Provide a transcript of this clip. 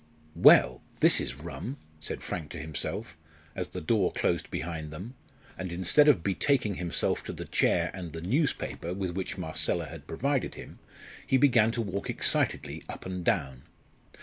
"Well, this is rum!" said Frank to himself, as the door closed behind them, and instead of betaking himself to the chair and the newspaper with which Marcella had provided him, he began to walk excitedly up and down.